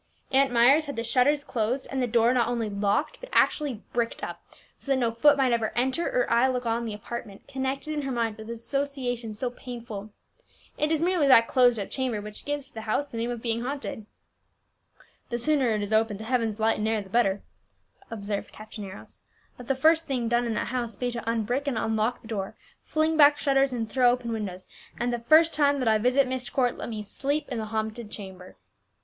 "Aunt Myers had the shutters closed, and the door not only locked, but actually bricked up, so that no foot might ever enter or eye look on the apartment connected in her mind with associations so painful. It is merely that closed up chamber which gives to the house the name of being haunted." "The sooner it is opened to heaven's light and air the better," observed Captain Arrows. "Let the first thing done in that house be to unbrick and unlock the door, fling back shutters and throw open windows, and the first time that I visit Myst Court let me sleep in the haunted chamber."